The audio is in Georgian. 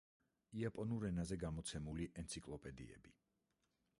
იაპონურ ენაზე გამოცემული ენციკლოპედიები.